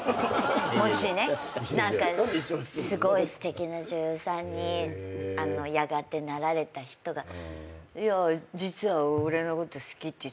もしすごいすてきな女優さんにやがてなられた人が「いや実は俺のこと好きって言ってたんだ」